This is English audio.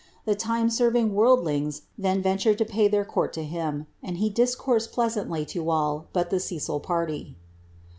The time aerving worldlings then w lured to pay their conn to him, and he diicoursed pleasantly to nil h the Cecil party.